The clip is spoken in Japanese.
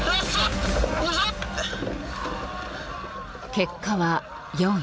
結果は４位。